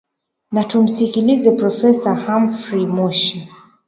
na tumsikilize profesa hamfrey moshi